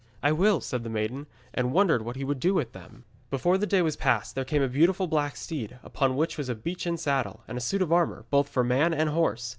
'I will,' said the maiden, and wondered what he would do with them. Before the day was passed there came a beautiful black steed, upon which was a beechen saddle, and a suit of armour, both for man and horse.